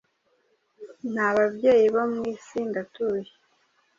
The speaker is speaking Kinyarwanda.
Nta babyeyi bo mwisi ndatuye